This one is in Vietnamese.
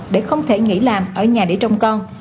để không thể nghỉ làm ở nhà để trong con